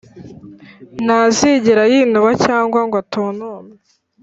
ntazigera yinuba cyangwa ngo atontome,